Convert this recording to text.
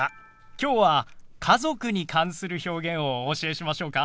きょうは「家族」に関する表現をお教えしましょうか？